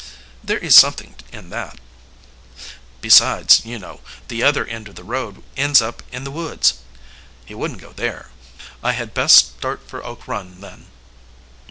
"There is something in that." "Besides, you know, the other end of the road ends up in the woods. He wouldn't go there." "I had best start for Oak Run, then."